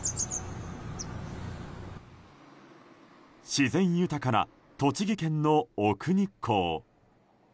自然豊かな栃木県の奥日光。